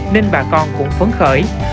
nên bà con cũng phấn khởi